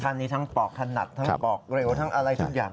ท่านนี้ทั้งปอกถนัดทั้งปอกเร็วทั้งอะไรทุกอย่าง